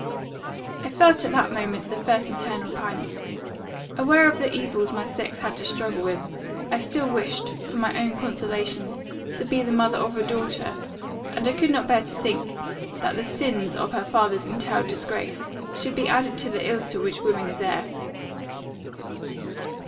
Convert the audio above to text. "I felt at that moment the first maternal pang. Aware of the evils my sex have to struggle with, I still wished, for my own consolation, to be the mother of a daughter; and I could not bear to think, that the sins of her father's entailed disgrace, should be added to the ills to which woman is heir.